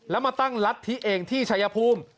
แล้วมาตั้งรัฐธิเองที่ชายภูมิ